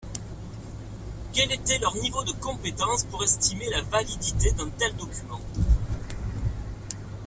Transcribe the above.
Quel était leur niveau de compétence pour estimer la validité d’un tel document?